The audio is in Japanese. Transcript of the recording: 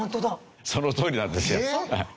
そのとおりなんですよ。